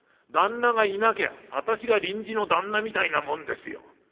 旦那がいなきゃ私が臨時の旦那みたいなもんですよ。